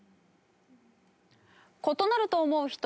異なると思う人？